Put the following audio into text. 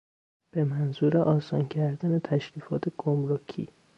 به منظور آسان کردن تشریفات گمرکی